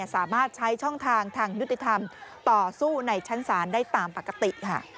สามารถใช้ช่องทางทางยุติธรรมต่อสู้ในชั้นศาลได้ตามปกติ